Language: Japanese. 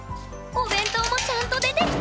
お弁当もちゃんと出てきた！